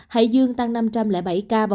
hải dương tăng năm trăm linh bảy ca